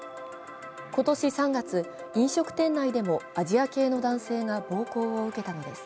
今年３月、飲食店内でもアジア系の男性が暴行を受けたのです。